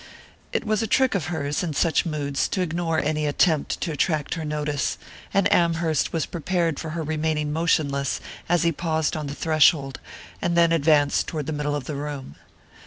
It was a trick of hers, in such moods, to ignore any attempt to attract her notice; and Amherst was prepared for her remaining motionless as he paused on the threshold and then advanced toward the middle of the room.